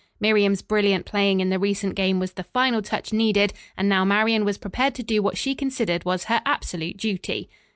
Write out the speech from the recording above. Miriam's brilliant playing in the recent game was the final touch needed, and now Marian was prepared to do what she considered was her absolute duty.